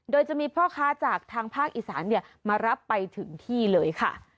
โดยจะมีพ่อค้าจากทางภาคอีสานมารับไปถึงที่เลยค่ะ